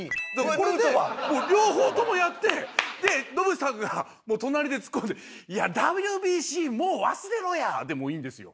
これでもう両方ともやってでノブさんが隣でツッコんで「いやＷＢＣもう忘れろや！」でもいいんですよ。